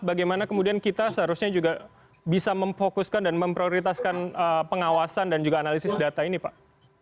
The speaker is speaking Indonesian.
bagaimana kemudian kita seharusnya juga bisa memfokuskan dan memprioritaskan pengawasan dan juga analisis data ini pak